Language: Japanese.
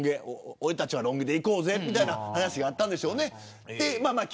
俺たちはロン毛でいこうぜという話があったんでしょうね。